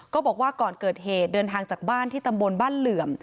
บอกว่าก่อนเกิดเหตุเดินทางจากบ้านที่ตำบลบ้านเหลื่อม